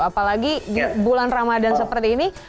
apalagi bulan ramadan seperti ini